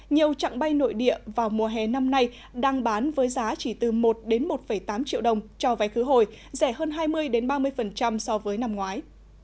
nhiều trạng bay nội địa vào mùa hè năm nay đang bán với giá chỉ từ một một tám triệu đồng cho vé khứ hồi rẻ hơn hai mươi ba mươi so với năm ngoái